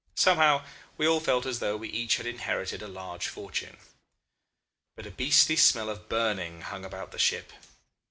Somehow we all felt as though we each had inherited a large fortune. But a beastly smell of burning hung about the ship.